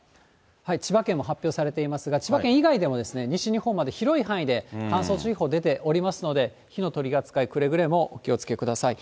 千葉県も発表されていますが、千葉県以外でも、西日本まで広い範囲で乾燥注意報出ておりますので、火の取り扱い、くれぐれもお気をつけください。